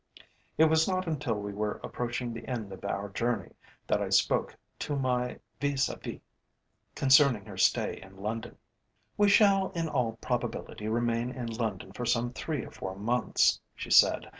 It was not until we were approaching the end of our journey that I spoke to my vis à vis concerning her stay in London. "We shall in all probability remain in London for some three or four months," she said.